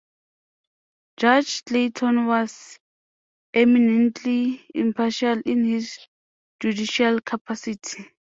Judge Clayton was eminently impartial in his judicial capacity.